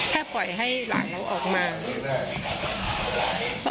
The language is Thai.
ถ้าปล่อยให้หลานเราออกมา